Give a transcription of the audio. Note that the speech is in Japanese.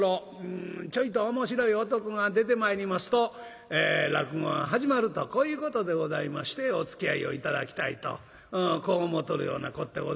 ちょいと面白い男が出てまいりますと落語が始まるとこういうことでございましておつきあいを頂きたいとこう思うとるようなこってございますが。